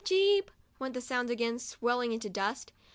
cheep! went the sounds again, swelling into a duet.